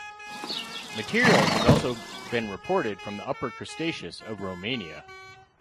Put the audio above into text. Material has also been reported from the Upper Cretaceous of Romania.